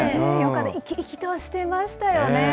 生き生きとしてましたよね。